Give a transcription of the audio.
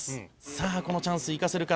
「さあこのチャンス生かせるか」